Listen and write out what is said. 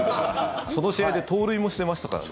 その試合で盗塁もしてましたからね。